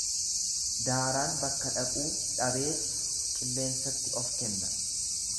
Daaraan bakka dhaquu dhabeeti qilleensatti of kenna.